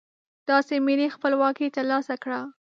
داسې ملي خپلواکي ترلاسه کړه.